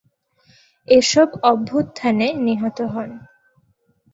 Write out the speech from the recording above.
এসব অভ্যুত্থানে নিহত হন।